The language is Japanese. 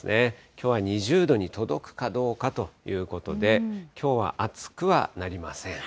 きょうは２０度に届くかどうかということで、きょうは暑くはなりません。